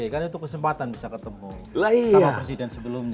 karena itu kesempatan bisa ketemu sama presiden sebelumnya